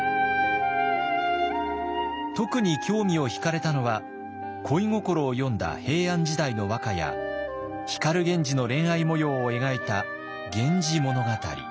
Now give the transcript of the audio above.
特に興味を引かれたのは恋心を詠んだ平安時代の和歌や光源氏の恋愛もようを描いた「源氏物語」。